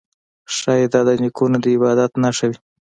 ښايي دا د نیکونو د عبادت نښه وي